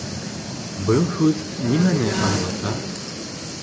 Был һүҙ нимәне аңлата?